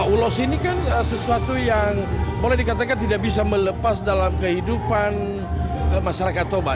ulos ini kan sesuatu yang boleh dikatakan tidak bisa melepas dalam kehidupan masyarakat toba